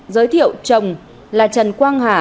giới thiệu chồng là trần quang hà